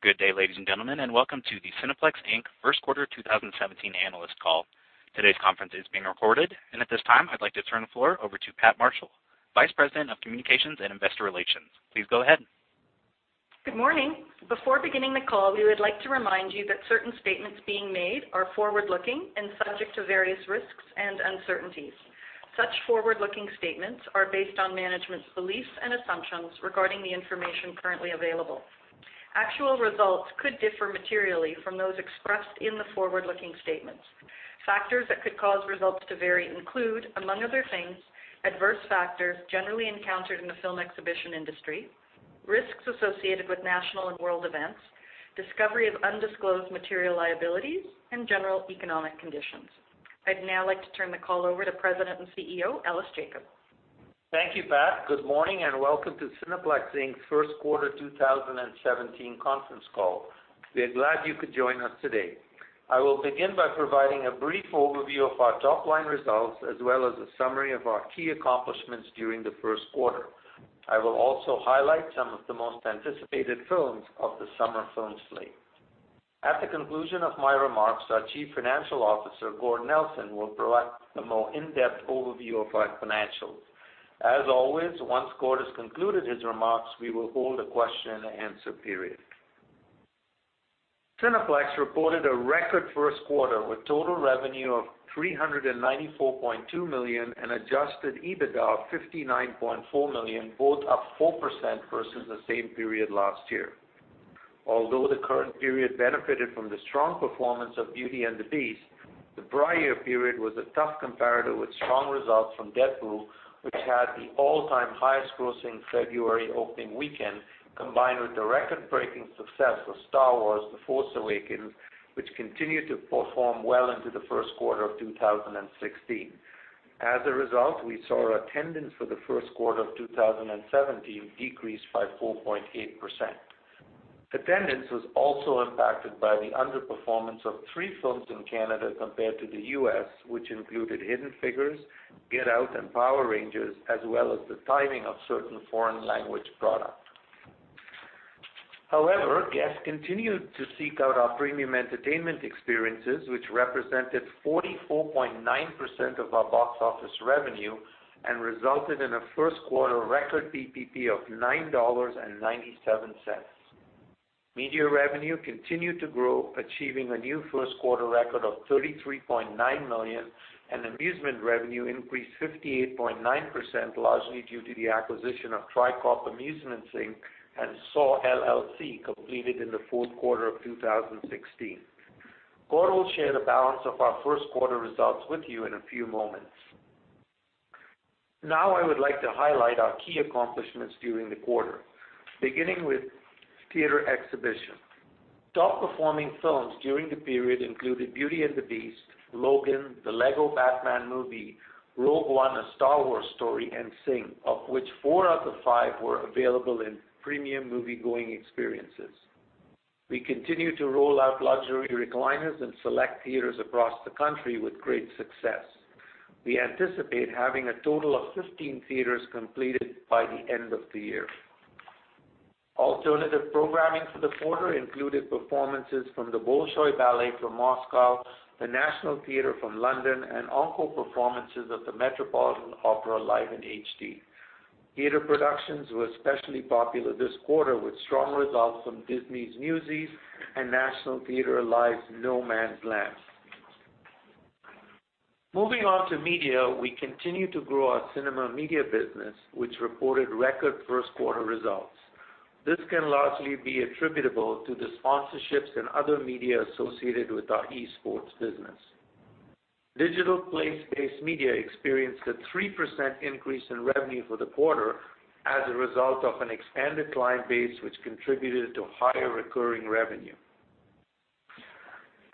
Good day, ladies and gentlemen, welcome to the Cineplex Inc. First Quarter 2017 analyst call. Today's conference is being recorded, at this time, I'd like to turn the floor over to Pat Marshall, Vice President of Communications and Investor Relations. Please go ahead. Good morning. Before beginning the call, we would like to remind you that certain statements being made are forward-looking and subject to various risks and uncertainties. Such forward-looking statements are based on management's beliefs and assumptions regarding the information currently available. Actual results could differ materially from those expressed in the forward-looking statements. Factors that could cause results to vary include, among other things, adverse factors generally encountered in the film exhibition industry, risks associated with national and world events, discovery of undisclosed material liabilities, general economic conditions. I'd now like to turn the call over to President and CEO, Ellis Jacob. Thank you, Pat. Good morning, welcome to Cineplex Inc.'s First Quarter 2017 conference call. We're glad you could join us today. I will begin by providing a brief overview of our top-line results as well as a summary of our key accomplishments during the first quarter. I will also highlight some of the most anticipated films of the summer film slate. At the conclusion of my remarks, our Chief Financial Officer, Gord Nelson, will provide a more in-depth overview of our financials. Always, once Gord has concluded his remarks, we will hold a question and answer period. Cineplex reported a record first quarter with total revenue of 394.2 million and adjusted EBITDA of 59.4 million, both up 4% versus the same period last year. Although the current period benefited from the strong performance of "Beauty and the Beast", the prior period was a tough comparator with strong results from "Deadpool", which had the all-time highest grossing February opening weekend, combined with the record-breaking success of "Star Wars: The Force Awakens", which continued to perform well into the first quarter of 2016. A result, we saw our attendance for the first quarter of 2017 decrease by 4.8%. Attendance was also impacted by the underperformance of three films in Canada compared to the U.S., which included "Hidden Figures", "Get Out" and "Power Rangers", as well as the timing of certain foreign language product. Guests continued to seek out our premium entertainment experiences, which represented 44.9% of our box office revenue and resulted in a first-quarter record PPP of 9.97 dollars. Media revenue continued to grow, achieving a new first-quarter record of 33.9 million, and amusement revenue increased 58.9%, largely due to the acquisition of Tricorp Amusements Inc. and SAW, LLC completed in the fourth quarter of 2016. Gord will share the balance of our first-quarter results with you in a few moments. Now, I would like to highlight our key accomplishments during the quarter. Beginning with theater exhibition. Top-performing films during the period included "Beauty and the Beast", "Logan", "The Lego Batman Movie", "Rogue One: A Star Wars Story", and "Sing", of which four out of five were available in premium moviegoing experiences. We continue to roll out luxury recliners in select theaters across the country with great success. We anticipate having a total of 15 theaters completed by the end of the year. Alternative programming for the quarter included performances from the Bolshoi Ballet from Moscow, the National Theatre from London, and encore performances of the Metropolitan Opera live in HD. Theater productions were especially popular this quarter with strong results from Disney's Newsies and National Theatre Live's No Man's Land. Moving on to media, we continue to grow our cinema media business, which reported record first-quarter results. This can largely be attributable to the sponsorships and other media associated with our esports business. Digital place-based media experienced a 3% increase in revenue for the quarter as a result of an expanded client base, which contributed to higher recurring revenue.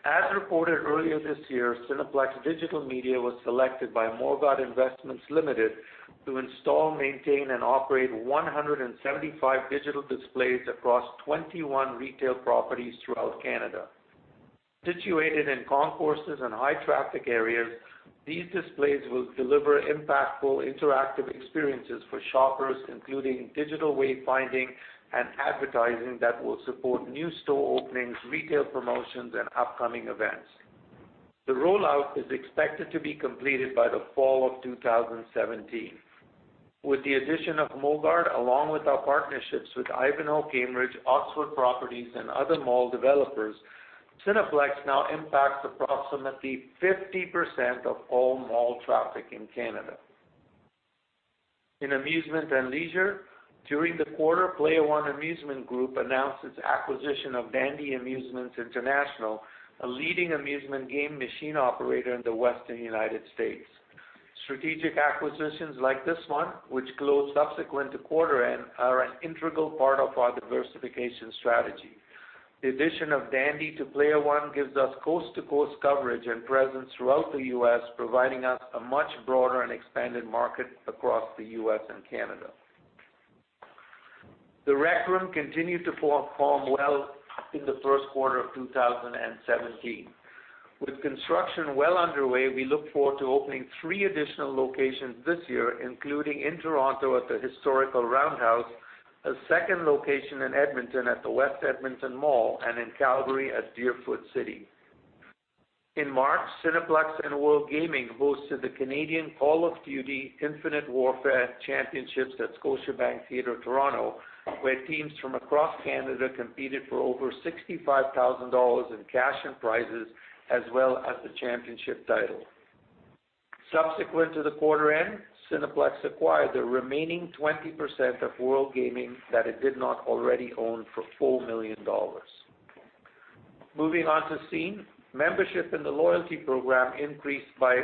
As reported earlier this year, Cineplex Digital Media was selected by Morguard Investments Limited to install, maintain, and operate 175 digital displays across 21 retail properties throughout Canada. Situated in concourses and high-traffic areas, these displays will deliver impactful interactive experiences for shoppers, including digital wayfinding and advertising that will support new store openings, retail promotions, and upcoming events. The rollout is expected to be completed by the fall of 2017. With the addition of Morguard, along with our partnerships with Ivanhoé Cambridge, Oxford Properties, and other mall developers, Cineplex now impacts approximately 50% of all mall traffic in Canada. In amusement and leisure, during the quarter, Player One Amusement Group announced its acquisition of Dandy Amusements International, a leading amusement game machine operator in the Western U.S. Strategic acquisitions like this one, which closed subsequent to quarter end, are an integral part of our diversification strategy. The addition of Dandy to Player One gives us coast-to-coast coverage and presence throughout the U.S., providing us a much broader and expanded market across the U.S. and Canada. The Rec Room continued to perform well in the first quarter of 2017. With construction well underway, we look forward to opening three additional locations this year, including in Toronto at the historical Roundhouse, a second location in Edmonton at the West Edmonton Mall, and in Calgary at Deerfoot City. In March, Cineplex and WorldGaming hosted the Canadian Call of Duty: Infinite Warfare Championships at Scotiabank Theatre, Toronto, where teams from across Canada competed for over 65,000 dollars in cash and prizes, as well as the championship title. Subsequent to the quarter end, Cineplex acquired the remaining 20% of WorldGaming that it did not already own for 4.4 million dollars. Moving on to Scene+. Membership in the loyalty program increased by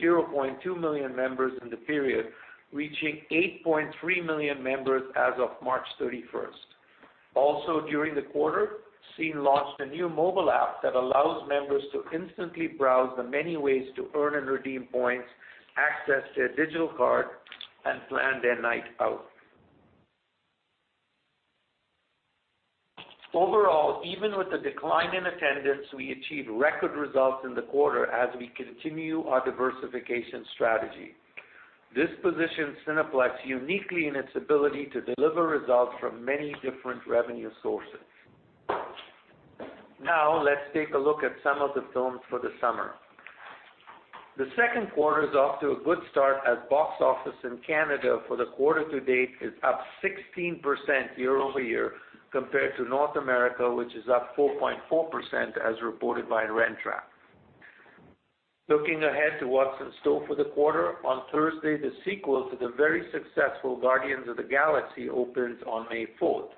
0.2 million members in the period, reaching 8.3 million members as of March 31st. Also during the quarter, Scene launched a new mobile app that allows members to instantly browse the many ways to earn and redeem points, access their digital card, and plan their night out. Overall, even with the decline in attendance, we achieved record results in the quarter as we continue our diversification strategy. This positions Cineplex uniquely in its ability to deliver results from many different revenue sources. Let's take a look at some of the films for the summer. The second quarter is off to a good start as box office in Canada for the quarter to date is up 16% year-over-year compared to North America, which is up 4.4% as reported by Rentrak. Looking ahead to what's in store for the quarter, on Thursday, the sequel to the very successful "Guardians of the Galaxy" opens on May 4th.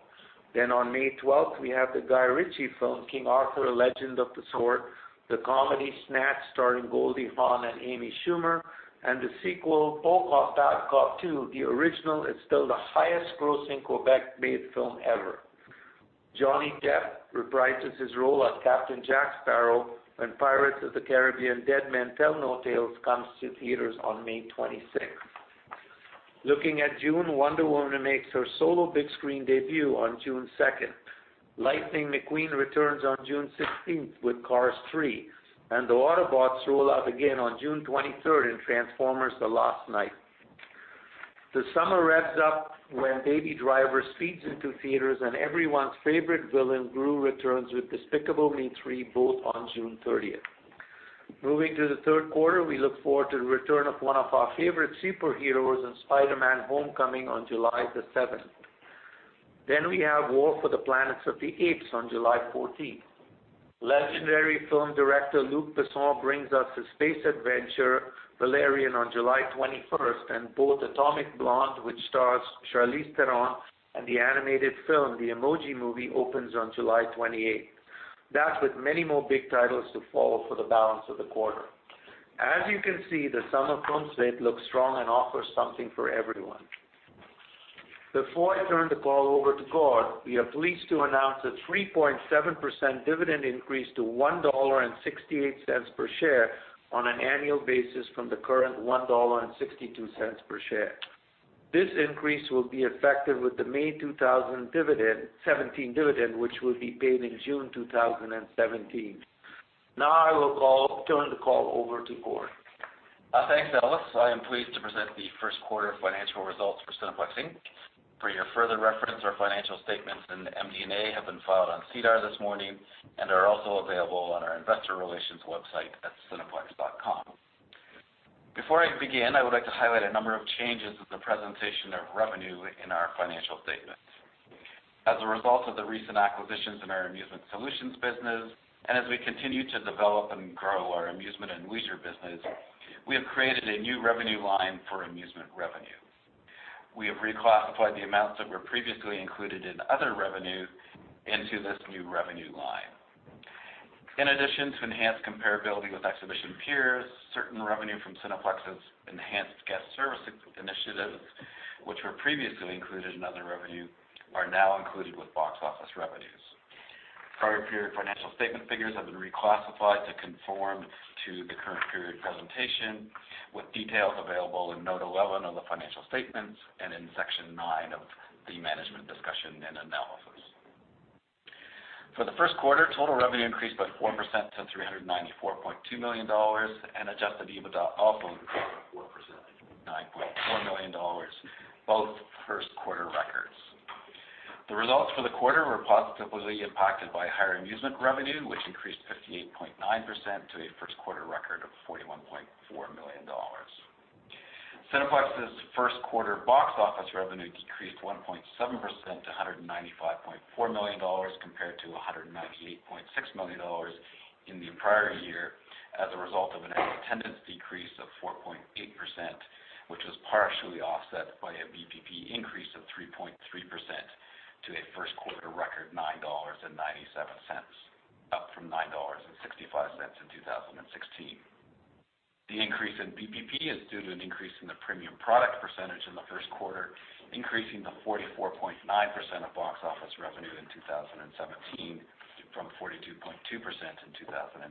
On May 12th, we have the Guy Ritchie film, "King Arthur: Legend of the Sword", the comedy "Snatched" starring Goldie Hawn and Amy Schumer, and the sequel "Bon Cop, Bad Cop 2". The original is still the highest grossing Quebec-made film ever. Johnny Depp reprises his role as Captain Jack Sparrow when "Pirates of the Caribbean: Dead Men Tell No Tales" comes to theaters on May 26th. Looking at June, Wonder Woman makes her solo big screen debut on June 2nd. Lightning McQueen returns on June 16th with "Cars 3", and the Autobots roll out again on June 23rd in "Transformers: The Last Knight". The summer revs up when "Baby Driver" speeds into theaters and everyone's favorite villain, Gru, returns with "Despicable Me 3", both on June 30th. Moving to the third quarter, we look forward to the return of one of our favorite superheroes in "Spider-Man: Homecoming" on July the 7th. We have "War for the Planet of the Apes" on July 14th. Legendary film director Luc Besson brings us his space adventure, "Valerian" on July 21st, and both "Atomic Blonde", which stars Charlize Theron, and the animated film, "The Emoji Movie" opens on July 28th. That with many more big titles to follow for the balance of the quarter. As you can see, the summer film slate looks strong and offers something for everyone. Before I turn the call over to Gord, we are pleased to announce a 3.7% dividend increase to 1.68 dollar per share on an annual basis from the current 1.62 dollar per share. This increase will be effective with the May 2017 dividend, which will be paid in June 2017. I will turn the call over to Gord. Thanks, Ellis. I am pleased to present the first quarter financial results for Cineplex Inc. For your further reference, our financial statements and MD&A have been filed on SEDAR this morning and are also available on our investor relations website at cineplex.com. Before I begin, I would like to highlight a number of changes in the presentation of revenue in our financial statements. As a result of the recent acquisitions in our Amusement Solutions business, and as we continue to develop and grow our amusement and leisure business, we have created a new revenue line for amusement revenue. We have reclassified the amounts that were previously included in other revenue into this new revenue line. In addition to enhanced comparability with exhibition peers, certain revenue from Cineplex's enhanced guest service initiatives, which were previously included in other revenue, are now included with box office revenues. Prior period financial statement figures have been reclassified to conform to the current period presentation, with details available in Note 11 of the financial statements and in Section nine of the management discussion and analysis. For the first quarter, total revenue increased by 4% to 394.2 million dollars and adjusted EBITDA also increased by 4% to 59.4 million dollars, both first quarter records. The results for the quarter were positively impacted by higher amusement revenue, which increased 58.9% to a first quarter record of 41.4 million dollars. Cineplex's first quarter box office revenue decreased 1.7% to 195.4 million dollars compared to 198.6 million dollars in the prior year as a result of an attendance decrease of 4.8%, which was partially offset by a BPP increase of 3.3% to a first quarter record 9.97 dollars, up from 9.65 dollars in 2016. The increase in BPP is due to an increase in the premium product percentage in the first quarter, increasing to 44.9% of box office revenue in 2017 from 42.2% in 2016.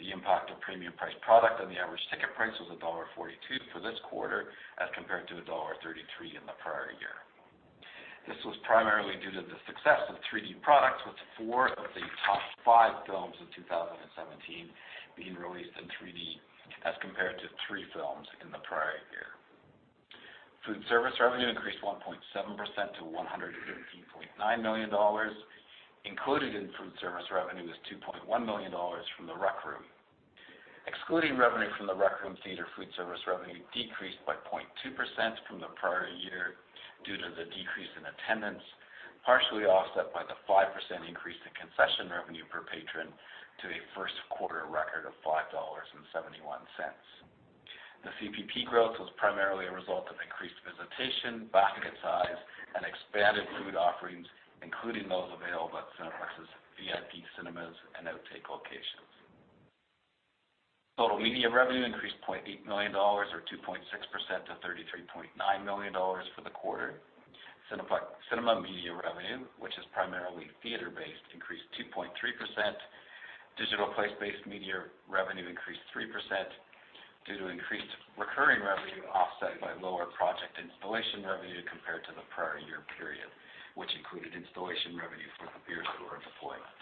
The impact of premium priced product on the average ticket price was dollar 1.42 for this quarter as compared to dollar 1.33 in the prior year. This was primarily due to the success of 3D products, with four of the top five films of 2017 being released in 3D, as compared to three films in the prior year. Food service revenue increased 1.7% to 115.9 million dollars. Included in food service revenue was 2.1 million dollars from The Rec Room. Excluding revenue from The Rec Room theater, food service revenue decreased by 0.2% from the prior year due to the decrease in attendance, partially offset by the 5% increase in concession revenue per patron to a first quarter record of 5.71 dollars. The CPP growth was primarily a result of increased visitation, basket size, and expanded food offerings, including those available at Cineplex's VIP Cinemas and Outtakes locations. Total media revenue increased 0.8 million dollars, or 2.6%, to 33.9 million dollars for the quarter. Cinema media revenue, which is primarily theater-based, increased 2.3%. Digital place-based media revenue increased 3% due to increased recurring revenue, offset by lower project installation revenue compared to the prior year period, which included installation revenue for the Beers on the Roof deployment.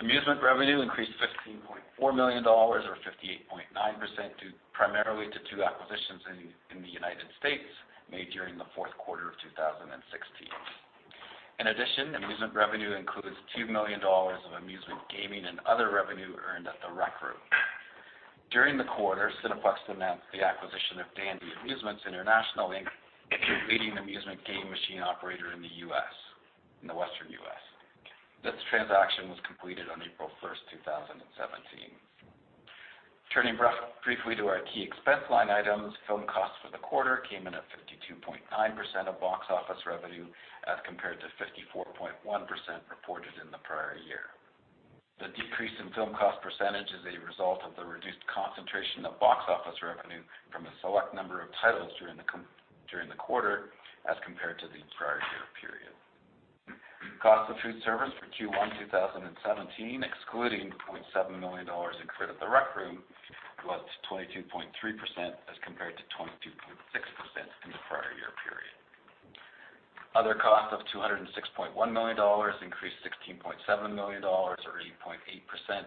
Amusement revenue increased to 15.4 million dollars, or 58.9%, primarily due to two acquisitions in the United States made during the fourth quarter of 2016. In addition, amusement revenue includes 2 million dollars of amusement gaming and other revenue earned at The Rec Room. During the quarter, Cineplex announced the acquisition of Dandy Amusements International Inc., a leading amusement game machine operator in the Western U.S. This transaction was completed on April 1st, 2017. Turning briefly to our key expense line items, film costs for the quarter came in at 52.9% of box office revenue, as compared to 54.1% reported in the prior year. The decrease in film cost percentage is a result of the reduced concentration of box office revenue from a select number of titles during the quarter as compared to the prior year period. Cost of food service for Q1 2017, excluding 0.7 million dollars included The Rec Room, was 22.3% as compared to 22.6% in the prior year period. Other costs of 206.1 million dollars increased 16.7 million dollars, or 8.8%.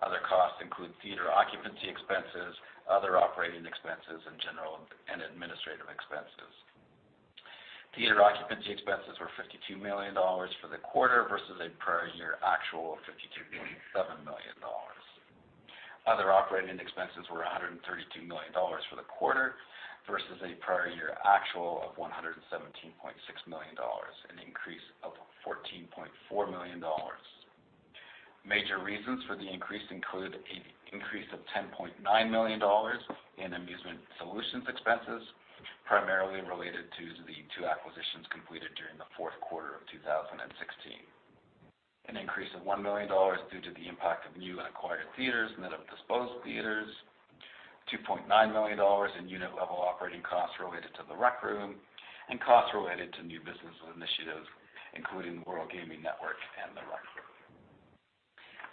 Other costs include theater occupancy expenses, other operating expenses in general, and administrative expenses. Theater occupancy expenses were 52 million dollars for the quarter versus a prior year actual of 52.7 million dollars. Other operating expenses were 132 million dollars for the quarter versus a prior year actual of 117.6 million dollars, an increase of 14.4 million dollars. Major reasons for the increase include an increase of 10.9 million dollars in amusement solutions expenses, primarily related to the two acquisitions completed during the fourth quarter of 2016. An increase of 1 million dollars due to the impact of new acquired theaters net of disposed theaters, 2.9 million dollars in unit-level operating costs related to The Rec Room, and costs related to new business initiatives, including WorldGaming Network and The Rec Room.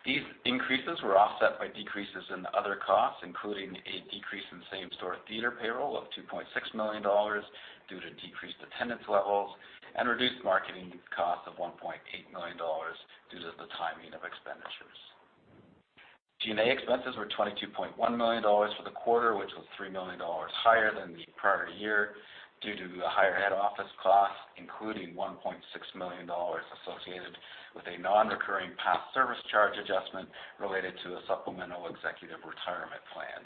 These increases were offset by decreases in other costs, including a decrease in same-store theater payroll of 2.6 million dollars due to decreased attendance levels and reduced marketing costs of 1.8 million dollars due to the timing of expenditures. G&A expenses were 22.1 million dollars for the quarter, which was 3 million dollars higher than the prior year due to the higher head office costs, including 1.6 million dollars associated with a non-recurring past service charge adjustment related to a supplemental executive retirement plan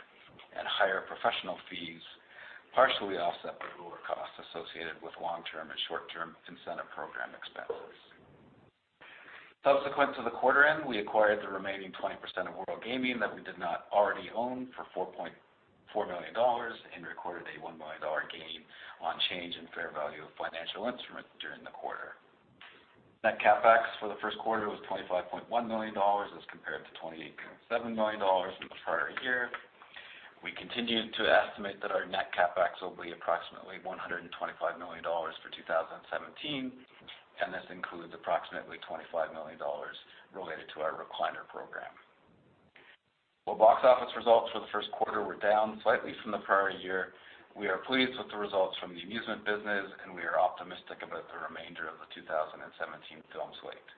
and higher professional fees, partially offset by lower costs associated with long-term and short-term incentive program expenses. Subsequent to the quarter end, we acquired the remaining 20% of WorldGaming that we did not already own for 4.4 million dollars and recorded a 1 million dollar gain on change in fair value of financial instruments during the quarter. Net CapEx for the first quarter was 25.1 million dollars as compared to 28.7 million dollars in the prior year. We continue to estimate that our net CapEx will be approximately 125 million dollars for 2017, and this includes approximately 25 million dollars related to our recliner program. While box office results for the first quarter were down slightly from the prior year, we are pleased with the results from the amusement business, and we are optimistic about the remainder of the 2017 film slate.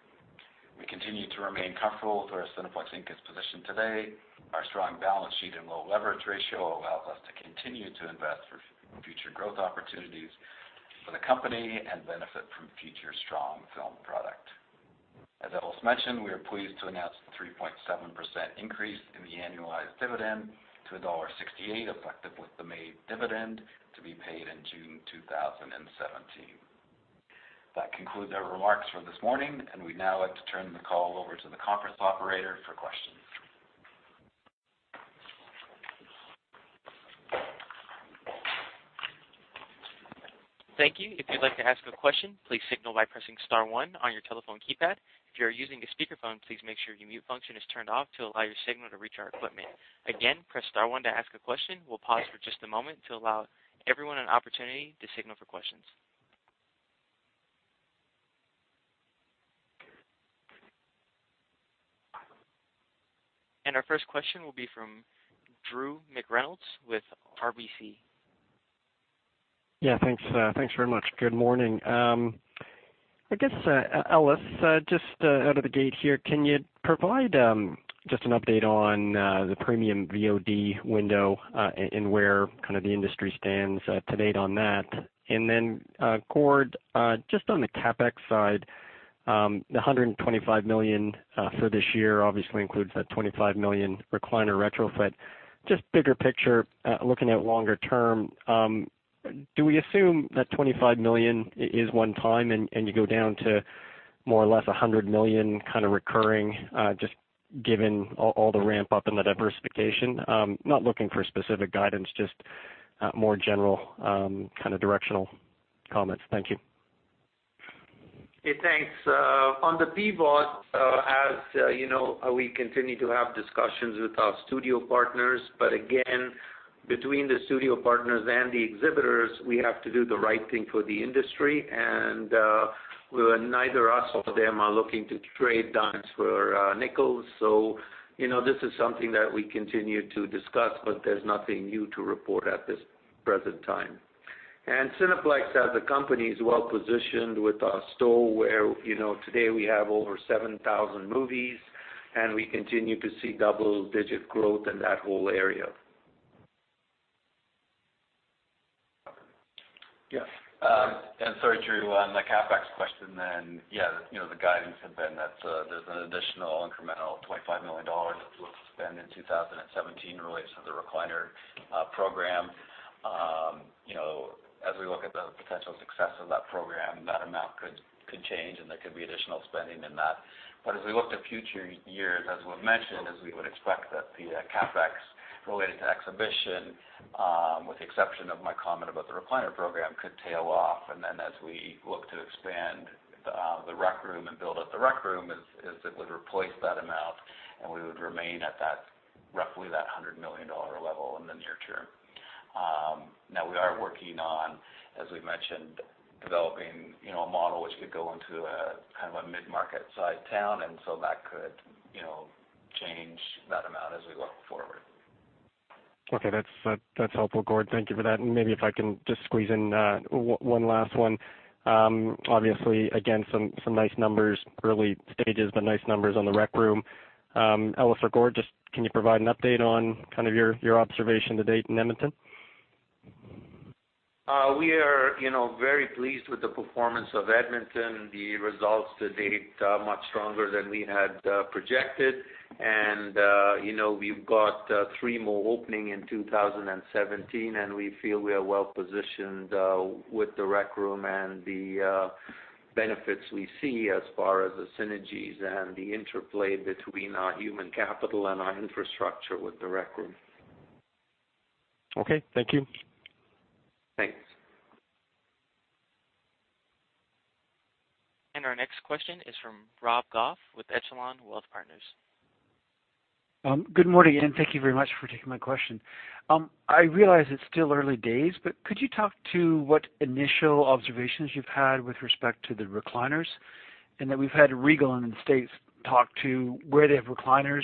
We continue to remain comfortable with where Cineplex Inc. is positioned today. Our strong balance sheet and low leverage ratio allows us to continue to invest for future growth opportunities for the company and benefit from future strong film product. As Ellis mentioned, we are pleased to announce the 3.7% increase in the annualized dividend to dollar 1.68, effective with the May dividend to be paid in June 2017. That concludes our remarks for this morning, we'd now like to turn the call over to the conference operator for questions. Thank you. If you'd like to ask a question, please signal by pressing star one on your telephone keypad. If you are using a speakerphone, please make sure your mute function is turned off to allow your signal to reach our equipment. Again, press star one to ask a question. We'll pause for just a moment to allow everyone an opportunity to signal for questions. Our first question will be from Drew McReynolds with RBC. Thanks very much. Good morning. I guess, Ellis, just out of the gate here, can you provide just an update on the premium VOD window, and where the industry stands to date on that? Gord, just on the CapEx side, the 125 million for this year obviously includes that 25 million recliner retrofit. Just bigger picture, looking at longer term, do we assume that 25 million is one time and you go down to more or less 100 million recurring, just given all the ramp-up in the diversification? I'm not looking for specific guidance, just more general directional comments. Thank you. Thanks. On the PVOD, as you know, we continue to have discussions with our studio partners. Between the studio partners and the exhibitors, we have to do the right thing for the industry, and neither us nor them are looking to trade dimes for nickels. This is something that we continue to discuss, but there's nothing new to report at this present time. Cineplex as a company is well-positioned with our store, where today we have over 7,000 movies, and we continue to see double-digit growth in that whole area. The guidance had been that there's an additional incremental 25 million dollars that we'll spend in 2017 related to the recliner program. As we look at the potential success of that program, that amount could change, and there could be additional spending in that. As we look to future years, as was mentioned, as we would expect that the CapEx related to exhibition, with the exception of my comment about the recliner program, could tail off. As we look to expand The Rec Room and build out The Rec Room, is it would replace that amount, and we would remain at roughly that 100 million dollar level in the near term. We are working on, as we mentioned, developing a model which could go into a mid-market size town. That could change that amount as we look forward. That's helpful, Gord. Thank you for that. Maybe if I can just squeeze in one last one. Obviously, again, some nice numbers, early stages, nice numbers on The Rec Room. Ellis or Gord, just can you provide an update on your observation to date in Edmonton? We are very pleased with the performance of Edmonton. The results to date are much stronger than we had projected. We've got three more opening in 2017. We feel we are well-positioned with The Rec Room and the benefits we see as far as the synergies and the interplay between our human capital and our infrastructure with The Rec Room. Okay, thank you. Thanks. Our next question is from Rob Goff with Echelon Wealth Partners. Good morning. Thank you very much for taking my question. I realize it's still early days, but could you talk to what initial observations you've had with respect to the recliners? We've had Regal in the U.S. talk to where they have recliners,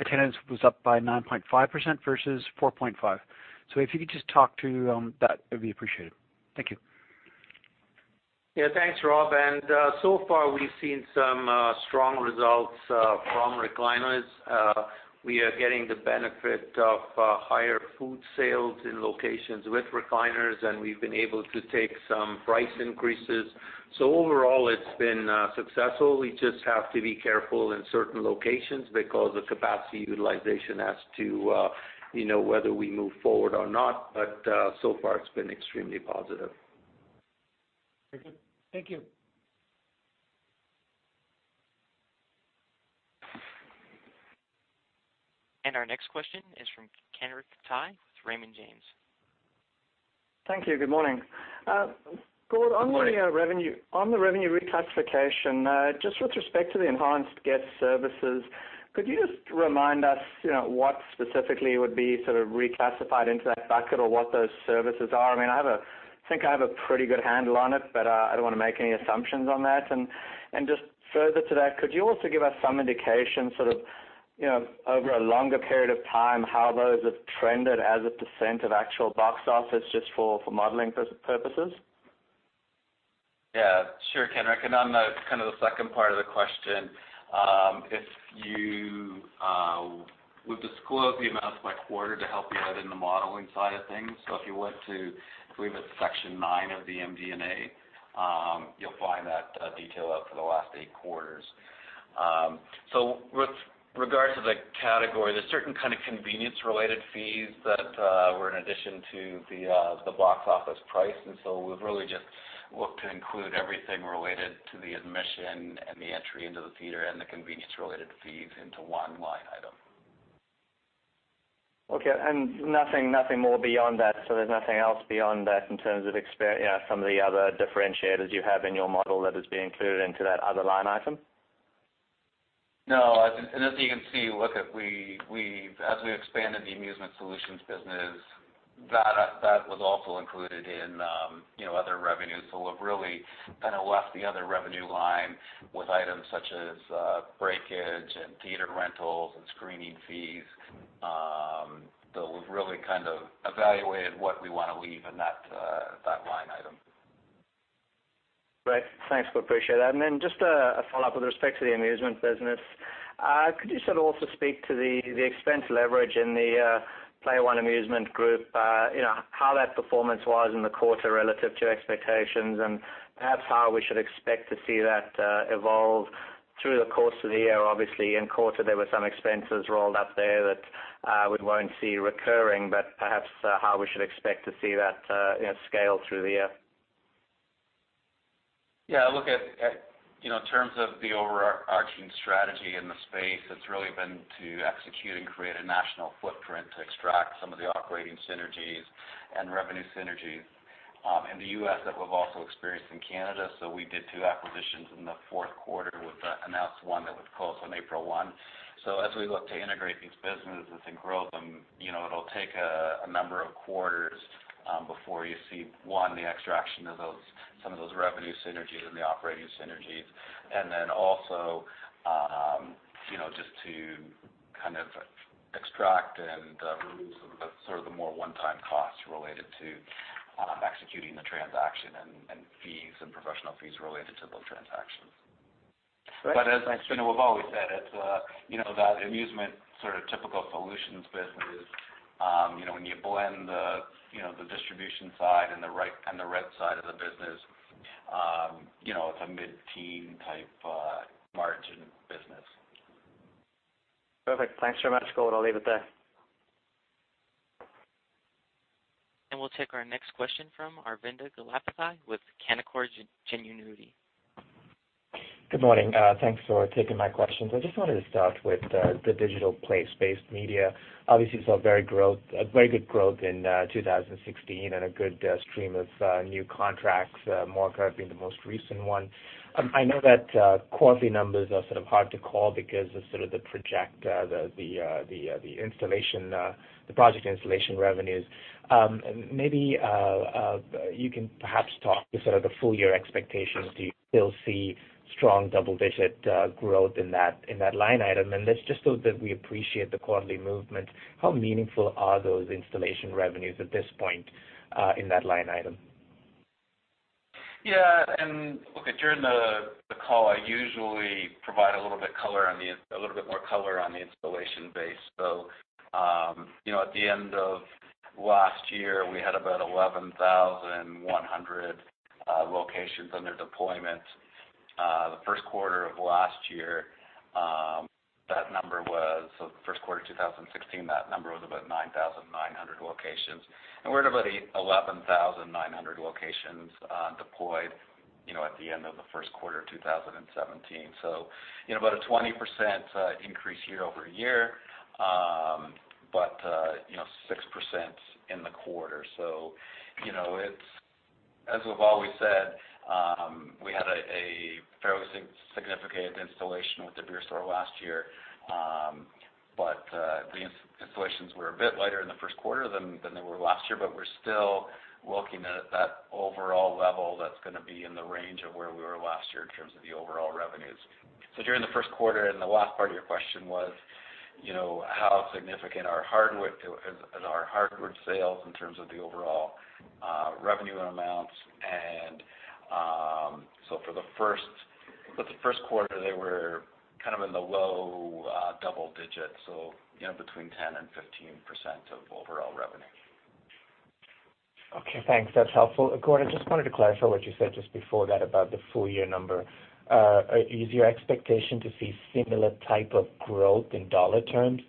attendance was up by 9.5% versus 4.5%. If you could just talk to that, it'd be appreciated. Thank you. Yeah, thanks, Rob. So far we've seen some strong results from recliners. We are getting the benefit of higher food sales in locations with recliners, and we've been able to take some price increases. Overall, it's been successful. We just have to be careful in certain locations because of capacity utilization as to whether we move forward or not. So far, it's been extremely positive. Very good. Thank you. Our next question is from Kenric Tai with Raymond James. Thank you. Good morning. Good morning. Gord, on the revenue reclassification, just with respect to the enhanced guest services, could you just remind us what specifically would be sort of reclassified into that bucket or what those services are? I think I have a pretty good handle on it, but I don't want to make any assumptions on that. Just further to that, could you also give us some indication over a longer period of time how those have trended as a % of actual box office just for modeling purposes? Yeah, sure, Kenric. On the second part of the question, we've disclosed the amounts by quarter to help you out in the modeling side of things. If you went to, I believe it's section 9 of the MD&A, you'll find that detail out for the last 8 quarters. With regards to the category, there's certain kind of convenience-related fees that were in addition to the box office price. We've really just looked to include everything related to the admission and the entry into the theater and the convenience-related fees into one line item. Okay, nothing more beyond that. There's nothing else beyond that in terms of some of the other differentiators you have in your model that is being included into that other line item? No. As you can see, as we expanded the amusement solutions business, that was also included in other revenues. We've really left the other revenue line with items such as breakage and theater rentals and screening fees, that we've really evaluated what we want to leave in that line item. Great. Thanks, we appreciate that. Then just a follow-up with respect to the amusement business. Could you also speak to the expense leverage in the Player One Amusement Group, how that performance was in the quarter relative to expectations, and perhaps how we should expect to see that evolve through the course of the year? In quarter there were some expenses rolled up there that we won't see recurring, perhaps how we should expect to see that scale through the year. Look, in terms of the overarching strategy in the space, it is really been to execute and create a national footprint to extract some of the operating synergies and revenue synergies in the U.S. that we have also experienced in Canada. We did two acquisitions in the fourth quarter, with the announced one that would close on April 1. As we look to integrate these businesses and grow them, it will take a number of quarters before you see, one, the extraction of some of those revenue synergies and the operating synergies. Then also, just to extract and remove some of the more one-time costs related to executing the transaction and professional fees related to those transactions. Great. As we have always said, that amusement sort of typical solutions business, when you blend the distribution side and the rent side of the business, it is a mid-teen type margin business. Perfect. Thanks very much, Gord. I will leave it there. We will take our next question from Aravinda Galappatthy with Canaccord Genuity. Good morning. Thanks for taking my questions. I just wanted to start with the digital place-based media. Obviously, saw a very good growth in 2016 and a good stream of new contracts, Morguard being the most recent one. I know that quarterly numbers are sort of hard to call because of the project installation revenues. You can perhaps talk to sort of the full year expectations. Do you still see strong double-digit growth in that line item? Just so that we appreciate the quarterly movement, how meaningful are those installation revenues at this point in that line item? Look, during the call, I usually provide a little bit more color on the installation base. At the end of last year, we had about 11,100 locations under deployment. Q1 2016, that number was about 9,900 locations. We're at about 11,900 locations deployed, at the end of Q1 2017. About a 20% increase year-over-year. 6% in the quarter. As we've always said, we had a fairly significant installation with The Beer Store last year. The installations were a bit lighter in the first quarter than they were last year, but we're still looking at that overall level that's going to be in the range of where we were last year in terms of the overall revenues. During the first quarter, and the last part of your question was, how significant is our hardware sales in terms of the overall revenue amounts? For the first quarter, they were in the low double digits, so between 10% and 15% of overall revenue. Okay, thanks. Gord, I just wanted to clarify what you said just before that about the full year number. Is your expectation to see similar type of growth in dollar terms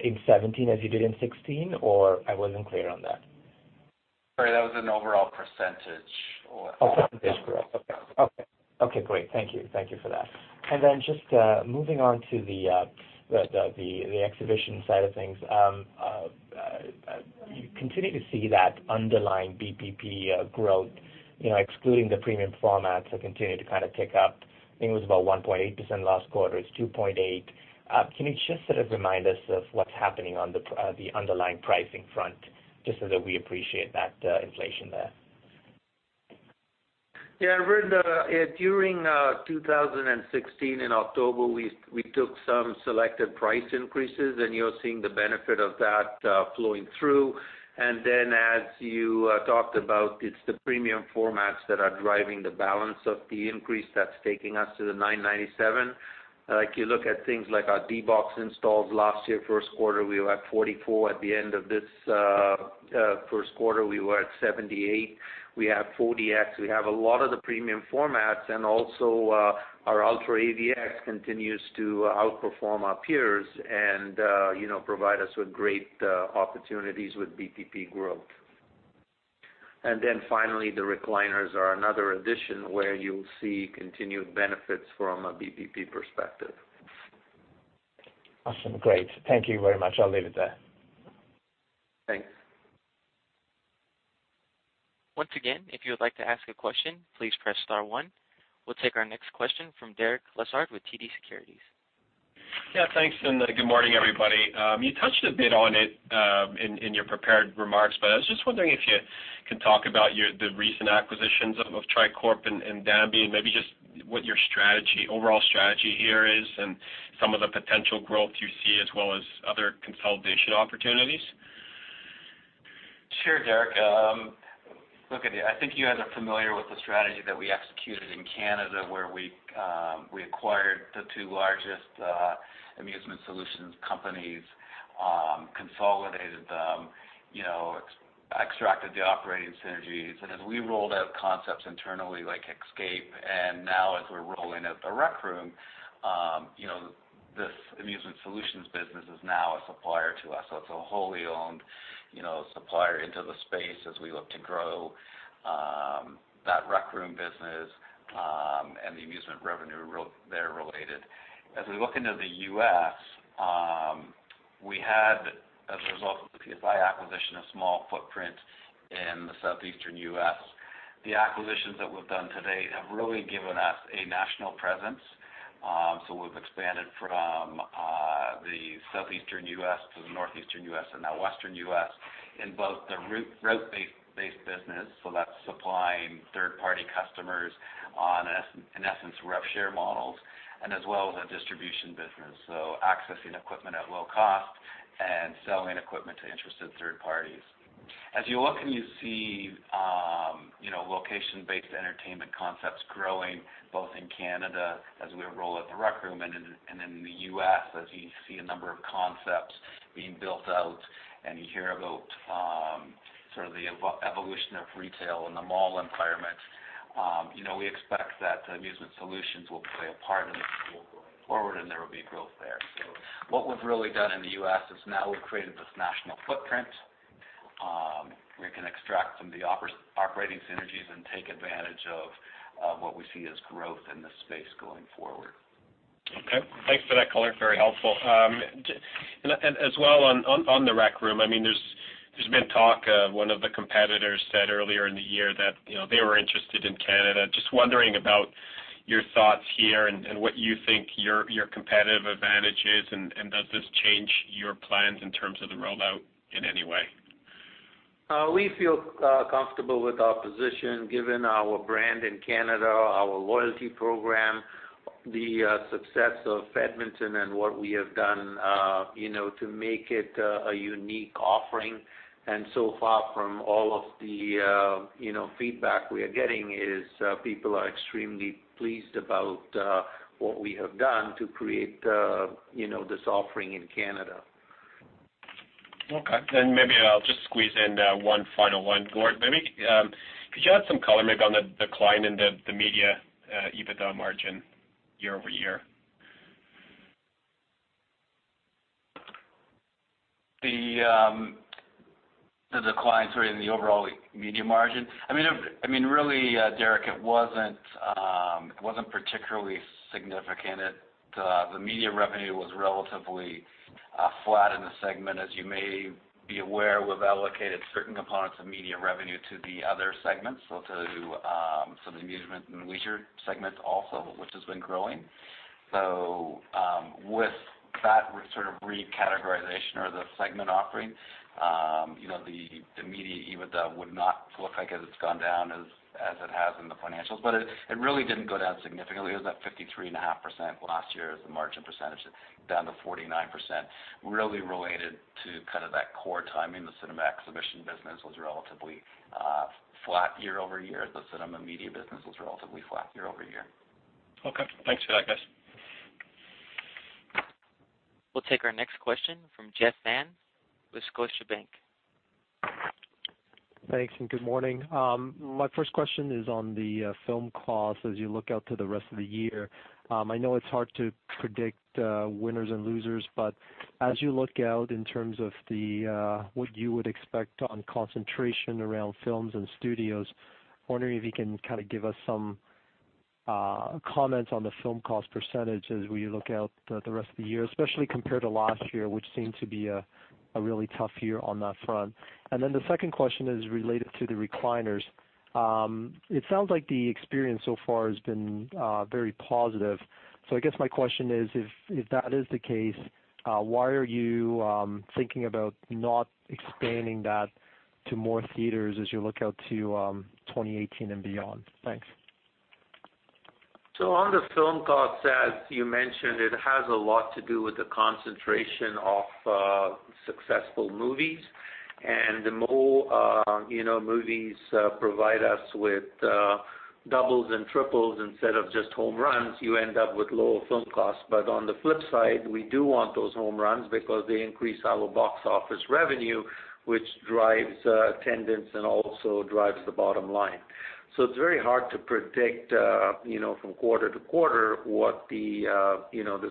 in 2017 as you did in 2016, or I wasn't clear on that? Sorry, that was an overall %. Oh, % growth. Okay. Great. Thank you. Thank you for that. Just moving on to the exhibition side of things. You continue to see that underlying BPP growth, excluding the premium formats that continue to kind of tick up. I think it was about 1.8% last quarter. It's 2.8%. Can you just sort of remind us of what's happening on the underlying pricing front, just so that we appreciate that inflation there? Yeah, Aravinda, during 2016, in October, we took some selected price increases, and you're seeing the benefit of that flowing through. As you talked about, it's the premium formats that are driving the balance of the increase that's taking us to the 9.97. If you look at things like our D-BOX installs last year, first quarter, we were at 44. At the end of this first quarter, we were at 78. We have 4DX, we have a lot of the premium formats, and also our UltraAVX continues to outperform our peers and provide us with great opportunities with BPP growth. Finally, the recliners are another addition where you'll see continued benefits from a BPP perspective. Awesome. Great. Thank you very much. I'll leave it there. Thanks. Once again, if you would like to ask a question, please press star one. We'll take our next question from Derek Lessard with TD Securities. Yeah, thanks. Good morning, everybody. You touched a bit on it in your prepared remarks, but I was just wondering if you can talk about the recent acquisitions of Tricorp and Dandy Amusements International, maybe just what your overall strategy here is, some of the potential growth you see, as well as other consolidation opportunities. Sure, Derek. Look, I think you guys are familiar with the strategy that we executed in Canada, where we acquired the two largest amusement solutions companies, consolidated them, extracted the operating synergies. As we rolled out concepts internally, like Escape, and now as we're rolling out The Rec Room, this amusement solutions business is now a supplier to us. It's a wholly owned supplier into the space as we look to grow that Rec Room business, and the amusement revenue there related. As we look into the U.S., we had, as a result of the PSI acquisition, a small footprint in the southeastern U.S. The acquisitions that we've done to date have really given us a national presence. We've expanded from the southeastern U.S. to the northeastern U.S. and now western U.S. in both the route-based business, so that's supplying third-party customers on, in essence, rev share models, and as well as a distribution business. Accessing equipment at low cost and selling equipment to interested third parties. As you look and you see location-based entertainment concepts growing, both in Canada as we roll out The Rec Room, and in the U.S. as you see a number of concepts being built out and you hear about sort of the evolution of retail in the mall environment, we expect that the amusement solutions will play a part in this going forward and there will be growth there. What we've really done in the U.S. is now we've created this national footprint. We can extract some of the operating synergies and take advantage of what we see as growth in this space going forward. Okay. Thanks for that color. Very helpful. As well, on The Rec Room, there's been talk of one of the competitors said earlier in the year that they were interested in Canada. Just wondering about your thoughts here and what you think your competitive advantage is, and does this change your plans in terms of the rollout in any way? We feel comfortable with our position given our brand in Canada, our loyalty program, the success of Edmonton and what we have done to make it a unique offering. So far, from all of the feedback we are getting, is people are extremely pleased about what we have done to create this offering in Canada. Okay. Maybe I'll just squeeze in one final one, Gord. Maybe could you add some color maybe on the decline in the media EBITDA margin year-over-year? The decline, sorry, in the overall media margin. Really, Derek, it wasn't particularly significant. The media revenue was relatively flat in the segment. As you may be aware, we've allocated certain components of media revenue to the other segments. To some amusement and leisure segments also, which has been growing. With that sort of recategorization or the segment offering, the media EBITDA would not look like it has gone down as it has in the financials. But it really didn't go down significantly. It was about 53.5% last year as the margin percentage, down to 49%, really related to that core timing. The cinema exhibition business was relatively flat year-over-year. The cinema media business was relatively flat year-over-year. Okay. Thanks for that, guys. We'll take our next question from Geoff Van with Scotiabank. Thanks, and good morning. My first question is on the film costs as you look out to the rest of the year. I know it's hard to predict winners and losers, but as you look out in terms of what you would expect on concentration around films and studios, wondering if you can give us some comments on the film cost % as we look out the rest of the year, especially compared to last year, which seemed to be a really tough year on that front. The second question is related to the recliners. It sounds like the experience so far has been very positive. I guess my question is, if that is the case, why are you thinking about not expanding that to more theaters as you look out to 2018 and beyond? Thanks. On the film costs, as you mentioned, it has a lot to do with the concentration of successful movies. The more movies provide us with doubles and triples instead of just home runs, you end up with lower film costs. On the flip side, we do want those home runs because they increase our box office revenue, which drives attendance and also drives the bottom line. It's very hard to predict from quarter to quarter what the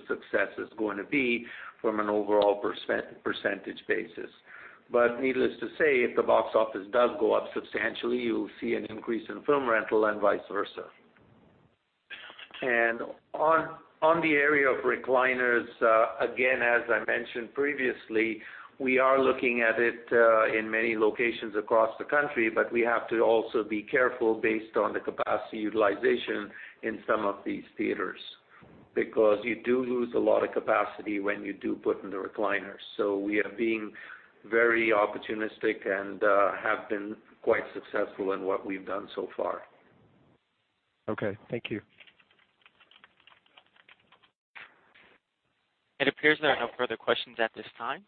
success is going to be from an overall percentage basis. Needless to say, if the box office does go up substantially, you'll see an increase in film rental and vice versa. On the area of recliners, again, as I mentioned previously, we are looking at it in many locations across the country. We have to also be careful based on the capacity utilization in some of these theaters. You do lose a lot of capacity when you do put in the recliners. We are being very opportunistic and have been quite successful in what we've done so far. Okay. Thank you. It appears there are no further questions at this time.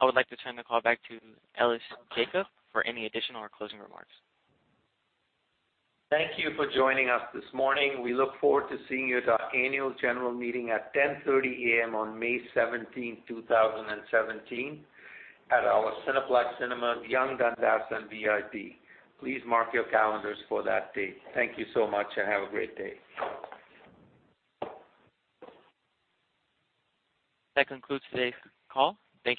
I would like to turn the call back to Ellis Jacob for any additional or closing remarks. Thank you for joining us this morning. We look forward to seeing you at our annual general meeting at 10:30 A.M. on May 17th, 2017 at our Cineplex Cinema, Yonge-Dundas and VIP. Please mark your calendars for that date. Thank you so much and have a great day. That concludes today's call. Thank you.